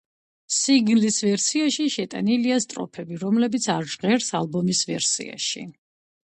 სინგლის ვერსიაში შეტანილია სტროფები, რომლებიც არ ჟღერს ალბომის ვერსიაში.